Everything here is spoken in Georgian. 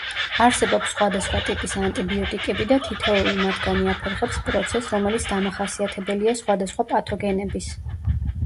არსებობს სხვადასხვა ტიპის ანტიბიოტიკები და თითეული მათგანი აფერხებს პროცეს რომელიც დამახასიათებელია სხვადასხვა პათოგენების.